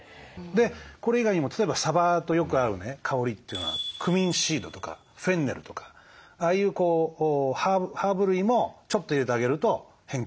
これ以外にも例えばサバとよく合う香りというのはクミンシードとかフェンネルとかああいうハーブ類もちょっと入れてあげると変化がつく。